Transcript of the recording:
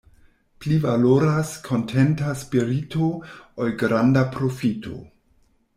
Pli valoras kontenta spirito, ol granda profito.